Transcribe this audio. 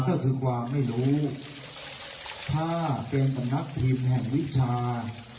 ก็คือความไม่รู้ถ้าเป็นสำนักทีมแห่งวิชา